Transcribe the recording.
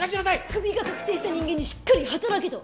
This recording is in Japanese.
クビが確定した人間にしっかり働けと？